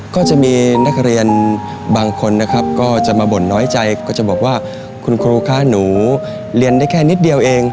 ก็จะมีนักเรียนบางคนนะครับก็จะมาบ่นน้อยใจก็จะบอกว่าคุณครูคะหนูเรียนได้แค่นิดเดียวเอง